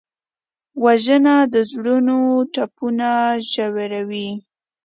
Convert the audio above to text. وژنه د زړونو ټپونه ژوروي